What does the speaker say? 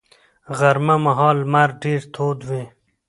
غرمه مهال لمر ډېر تود وي